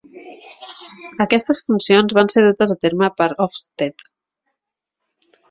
Aquestes funcions van ser dutes a terme per Ofsted.